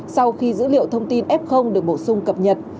sau khi dữ liệu thông tin f được bổ sung cập nhật